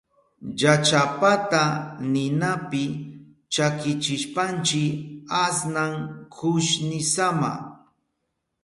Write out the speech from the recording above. Llachapata ninapi chakichishpanchi asnan kushnisama.